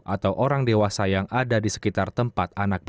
atau orang dewasa yang ada